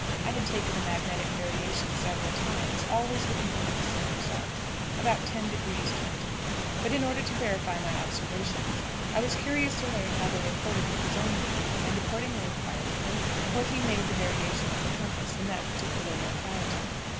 I had taken the magnetic variation several times, always with nearly the same results (about 10° 20'); but, in order to verify my observations, I was curious to learn how they accorded with his own working, and accordingly inquired of him what he made the variation of the compass in that particular locality.